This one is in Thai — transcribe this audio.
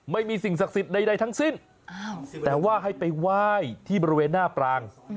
ไม่มีสิ่งศักดิ์สิทธิ์ใดทั้งสิ้นแต่ว่าให้ไปไหว้ที่บริเวณหน้าปราง